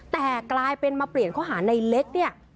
แต่กลายเป็นมาเปลี่ยนข้อหาในเล็กเนี่ย